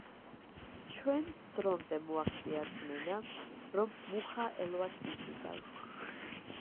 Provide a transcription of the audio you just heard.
ჩვენს დრომდე მოაღწია რწმენამ, რომ მუხა ელვას იზიდავს.